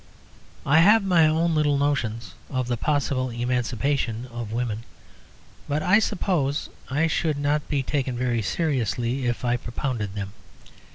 I have my own little notions of the possible emancipation of women; but I suppose I should not be taken very seriously if I propounded them.